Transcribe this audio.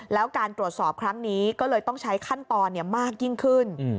แล้วการตรวจสอบครั้งนี้ก็เลยต้องใช้ขั้นตอนมากยิ่งขึ้น